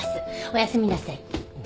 おやすみなさい。